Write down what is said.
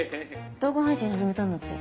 動画配信始めたんだって。